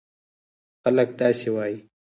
خلک داسې وایي: